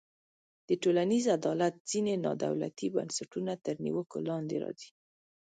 د ټولنیز عدالت ځینې نا دولتي بنسټونه تر نیوکو لاندې راځي.